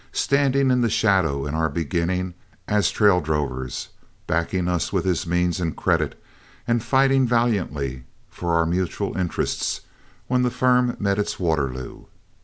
standing in the shadow in our beginning as trail drovers, backing us with his means and credit, and fighting valiantly for our mutual interests when the firm met its Waterloo.